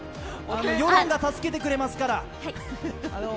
世論が助けてくれますから。